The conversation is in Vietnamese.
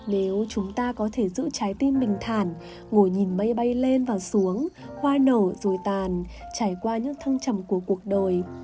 nếu chúng ta có thể giữ trái tim mình thản ngồi nhìn mây bay lên và xuống hoa nổ rồi tàn trải qua những thăng trầm của cuộc đời